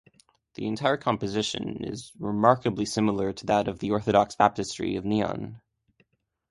The entire composition is remarkably similar to that of the Orthodox Baptistry of Neon.